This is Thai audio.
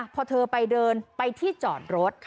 พอเธอไปเดินไปที่จอดรถ